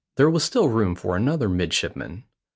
There was still room for another midshipman.